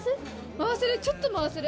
回せるちょっと回せる。